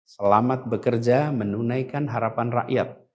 selamat bekerja menunaikan harapan rakyat